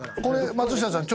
松下さん